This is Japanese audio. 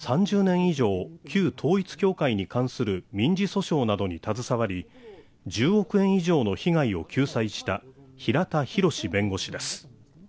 こう話すのは、福岡で３０年以上、旧統一教会に関する民事訴訟などに携わり１０億円以上の被害を救済した平田広志弁護士です。